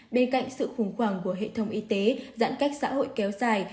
bên cạnh sự khủng hoảng của hệ thống y tế giãn cách xã hội kéo dài